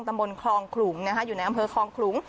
ตำบลคลองขลุงอยู่ในอำเภอคลองขลุง